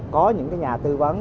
có những nhà tư vấn